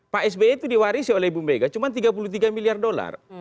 pak sby itu diwarisi oleh ibu mega cuma tiga puluh tiga miliar dolar